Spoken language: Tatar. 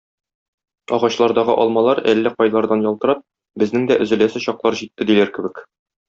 Агачлардагы алмалар, әллә кайлардан ялтырап, безнең дә өзеләсе чаклар җитте, диләр кебек.